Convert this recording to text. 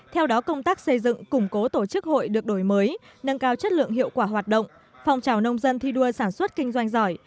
theo đó công tác xây dựng củng cố tổ chức hội được đổi mới nâng cao chất lượng hiệu quả hoạt động phong trào nông dân thi đua sản xuất kinh doanh giỏi